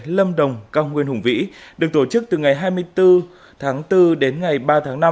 lâm đồng cao nguyên hùng vĩ được tổ chức từ ngày hai mươi bốn tháng bốn đến ngày ba tháng năm